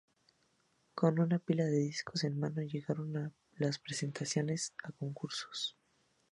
Con una pila de discos en mano llegaron las presentaciones a concursos.